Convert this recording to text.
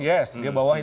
yes dia membawahi